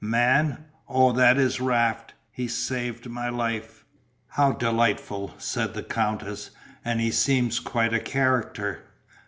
"Man Oh, that is Raft. He saved my life." "How delightful," said the Countess, "and he seems quite a character."